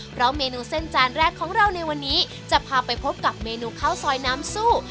เพราะเมนูเส้นจานแรกของเราในวันนี้จะพาไปพบกับเมนูข้าวซอยน้ำซู่